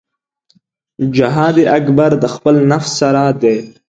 جهاد اکبر د خپل نفس سره دی .